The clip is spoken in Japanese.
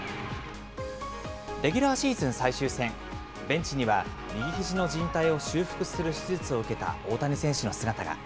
レギュラーシーズン最終戦、ベンチには、右ひじのじん帯を修復する手術を受けた大谷選手の姿が。